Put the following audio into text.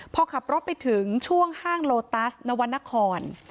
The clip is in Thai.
พอขับรถไปถึงช่วงห้างโลตัสนวรรณคร